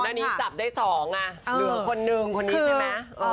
อันนี้จับได้๒อ่ะเหลือคนนึงคนนี้ใช่ไหม